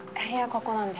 ここなんで。